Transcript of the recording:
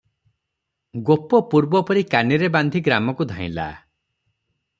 ଗୋପ ପୂର୍ବପରି କାନିରେ ବାନ୍ଧି ଗ୍ରାମକୁ ଧାଇଁଲା ।